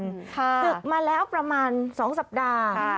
ศึกมาแล้วประมาณ๒สัปดาห์